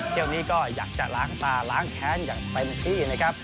เที่ยวนี้ก็อยากจะล้างตาล้างแค้นอย่างเต็มที่นะครับ